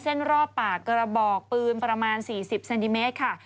เส้นรอบปากกระบอกปืนประมาณ๔๐เซนติเมตรค่ะ